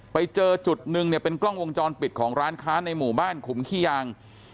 ไปเจอจุดนึงเนี่ยเป็นกล้องวงจรปิดของร้านค้าในหมู่บ้านขุมขี้ยาง